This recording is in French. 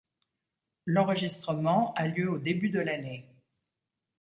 L'enregistrement a lieu au début de l'année.